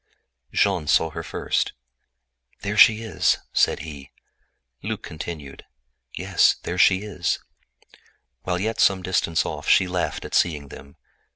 Jean saw her first. "There she is!" he cried. Luc added: "Yes, there she is." While yet some distance off she laughed at seeing them.